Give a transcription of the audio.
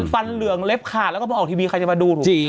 ฟันเหลืองเล็บขาดแล้วก็มาออกทีวีใครจะมาดูหนู